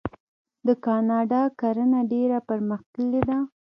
د کاناډا کرنه ډیره پرمختللې ده.